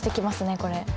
これ。